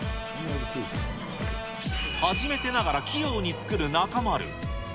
初めてながら器用に作る中丸。